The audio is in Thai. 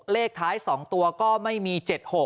เลขท้าย๒ตัวก็ไม่มี๗๖